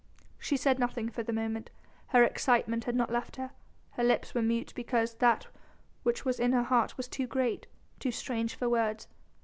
She said nothing for the moment. Her excitement had not left her, but her lips were mute because that which was in her heart was too great, too strange for words.